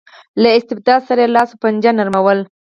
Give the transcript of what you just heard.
له استبداد سره یې لاس و پنجه نرموله.